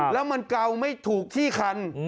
แล้วมันเกาไม่ถูกที่คัน